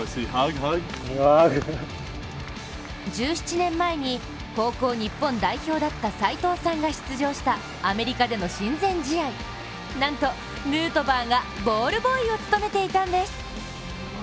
１７年前に高校日本代表だった斎藤さんが出場したアメリカでの親善試合、なんとヌートバーがボールボーイを務めていたんです。